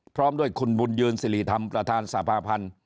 พร้อมด้วยคุณบุญยืนสิริธรรมประธานสภาพันธ์